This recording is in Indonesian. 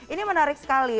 ini menarik sekali